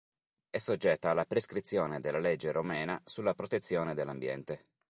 È soggetta alle prescrizione della Legge romena sulla protezione dell'ambiente.